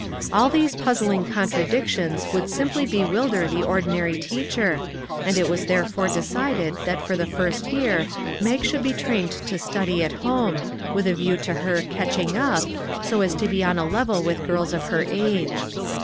All these puzzling contradictions would simply bewilder the ordinary teacher, and it was there fore decided that for the first year Mag should be trained to study at home, with a view to her " catching up " so as to be on a level with girls of her age.